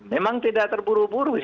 memang tidak terburu buru